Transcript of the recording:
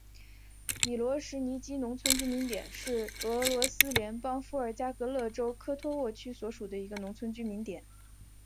米罗什尼基农村居民点是俄罗斯联邦伏尔加格勒州科托沃区所属的一个农村居民点。